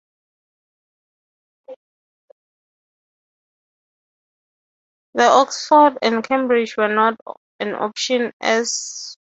Oxford and Cambridge were not an option as Nonconformists were banned from these universities.